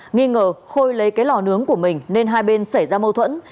nghi ngờ khôi lấy cái lò nướng của mình nên hai bên xảy ra mâu thuẫn